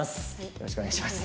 よろしくお願いします。